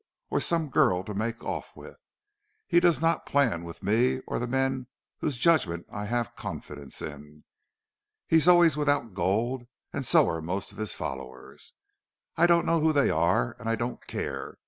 Or some girl to make off with. He does not plan with me or the men whose judgment I have confidence in. He's always without gold. And so are most of his followers. I don't know who they are. And I don't care.